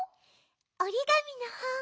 おりがみのほん。